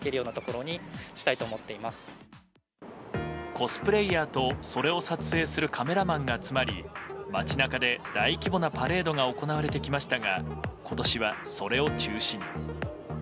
コスプレイヤーと、それを撮影するカメラマンが集まり街中で大規模なパレードが行われてきましたが今年は、それを中止に。